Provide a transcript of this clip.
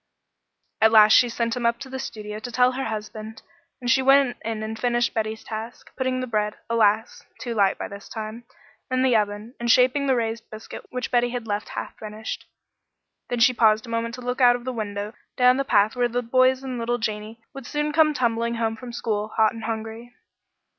At last she sent him up to the studio to tell her husband, and she went in and finished Betty's task, putting the bread alas! too light by this time in the oven, and shaping the raised biscuit which Betty had left half finished. Then she paused a moment to look out of the window down the path where the boys and little Janey would soon come tumbling home from school, hot and hungry.